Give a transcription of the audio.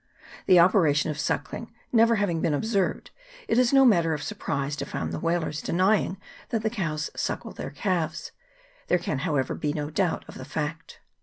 The operation of suckling never having been observed, it is no matter of surprise to find the whalers denying that the cows suckle their calves ; there can, however, be no doubt of the fact.